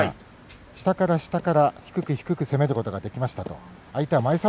下から下から攻めることができました。